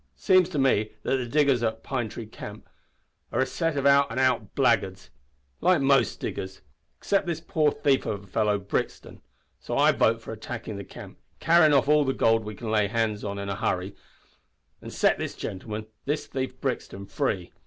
Seems to me that the diggers at Pine Tree Camp are a set of out an' out blackguards like most diggers except this poor thief of a fellow Brixton, so I vote for attackin' the camp, carryin' off all the gold we can lay hands on in the hurry skurry, an' set this gentleman this thief Brixton free.